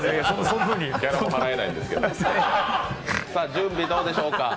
準備どうでしょうか。